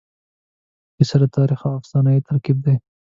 کیسه د تاریخ او افسانې ترکیب دی.